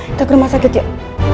kita ke rumah sakit yuk